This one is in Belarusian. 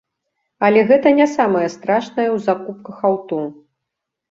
Але гэта не самае страшнае ў закупках аўто.